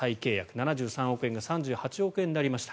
７３億円が３８億円になりました。